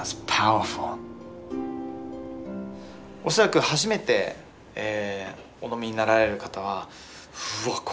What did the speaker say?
おそらく初めてお飲みになられる方はうわ